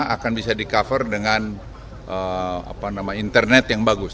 akan bisa di cover dengan internet yang bagus